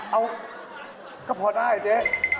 เอาก็พอได้เจ๊